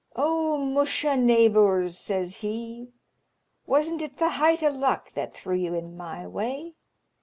"O musha, naybours!" says he, "wasn't it the height o' luck that threw you in my way!